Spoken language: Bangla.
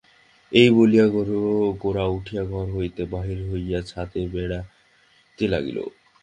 এই বলিয়া গোরা উঠিয়া ঘর হইতে বাহির হইয়া ছাতে বেড়াইতে লাগিল।